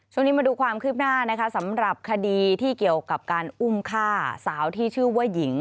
ช่วงนี้มาดูความคืบหน้านะคะสำหรับคดีที่เกี่ยวกับการอุ้มฆ่าสาวที่ชื่อว่าหญิง